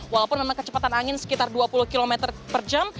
walaupun memang kecepatan angin sekitar dua puluh km per jam